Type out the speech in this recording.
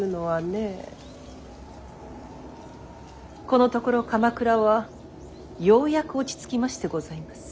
このところ鎌倉はようやく落ち着きましてございます。